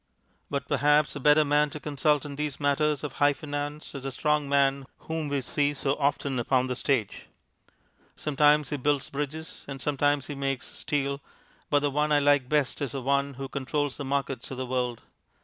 But perhaps a better man to consult in these matters of High Finance is the Strong Man whom we see so often upon the stage. Sometimes he builds bridges, and sometimes he makes steel, but the one I like best is the one who controls the markets of the world.